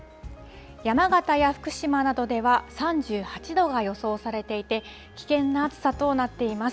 山形や福島などでは３８度が予想されていて危険な暑さとなっています。